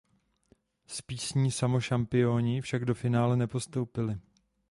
S písní "Samo šampioni" však do finále nepostoupili.